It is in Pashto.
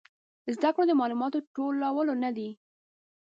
زده کړه د معلوماتو ټولول نه دي